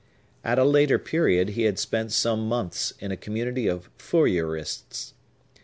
At a later period he had spent some months in a community of Fourierists.